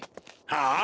はあ？